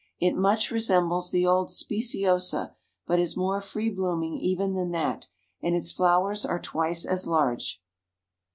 It much resembles the old Speciosa, but is more free blooming even than that, and its flowers are twice as large.